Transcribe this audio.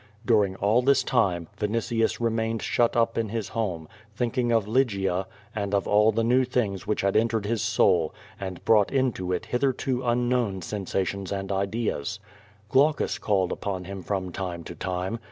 During all this time, Vinitius remaine<l sliut up in his home, thinking of J^ygia, and of all of the new things which had entered his soul, and brought into it hith erto unknown sensations and ideas, (ilaucus called upon him from time to time.